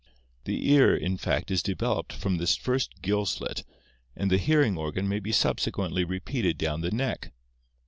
The ear in fact is developed from this first gill slit and the hearing organ may be subsequently repeated down the neck.